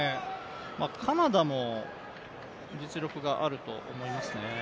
カナダも実力があると思いますね。